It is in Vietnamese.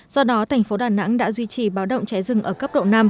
do đó thành phố đà nẵng đã duy trì báo động cháy rừng ở cấp độ năm